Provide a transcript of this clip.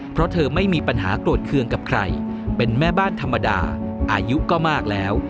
เพราะเธอไม่มีปัญหาโกรธเคืองกับใครเป็นแม่บ้านธรรมดาอายุก็มากแล้ว